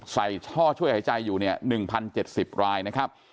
ใส่ท่อช่วยหายใจอยู่เนี่ย๑๐๗๐รายนะครับ